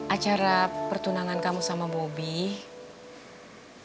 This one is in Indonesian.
acara pertunangan kamu sama bobi